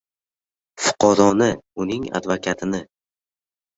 fuqaroni, uning advokatini